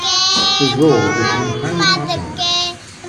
His role became highly popular.